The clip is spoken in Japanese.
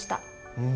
うん。